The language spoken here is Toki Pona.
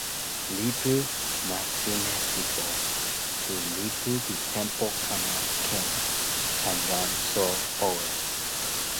lipu Nasinesipo li lipu pi tenpo kama ken tan jan So Owe.